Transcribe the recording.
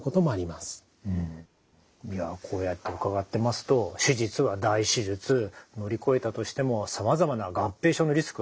いやこうやって伺ってますと手術は大手術乗り越えたとしてもさまざまな合併症のリスクがあるということなんですね。